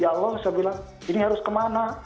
ya allah saya bilang ini harus kemana